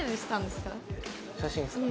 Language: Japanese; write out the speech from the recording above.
写真ですか？